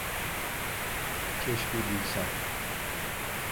Keşke bilsem.